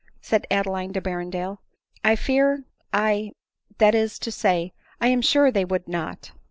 said Adeline to Berrendale. " I fear — I — that is to say, I am sure they would not."